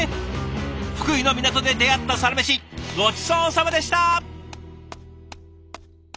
福井の港で出会ったサラメシごちそうさまでした。